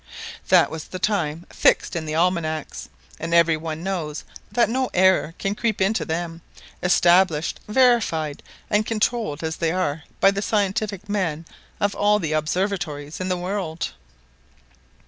That was the time fixed in the almanacs, and every one knows that no error can creep into them, established, verified, and controlled as they are by the scientific men of all the observatories in the world.